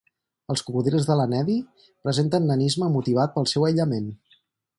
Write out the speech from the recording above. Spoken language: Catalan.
Els cocodrils de l'Ennedi presenten nanisme motivat pel seu aïllament.